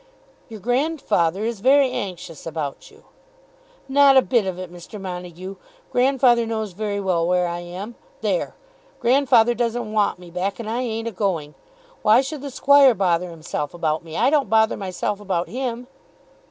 "Your grandfather is very anxious about you." "Not a bit of it, Mr. Montague. Grandfather knows very well where I am. There! Grandfather doesn't want me back, and I ain't a going. Why should the Squire bother himself about me? I don't bother myself about him."